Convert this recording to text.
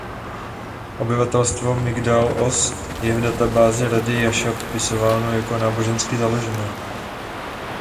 Obyvatelstvo Migdal Oz je v databázi rady Ješa popisováno jako nábožensky založené.